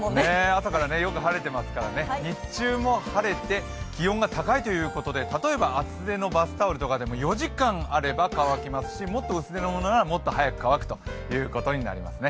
朝からよく晴れてますからね、日中も晴れて、気温が高いということで例えば厚手のバスタオルとかでも４時間あれば乾きますし、もっと薄手のものならもっと早く乾くということになりますね。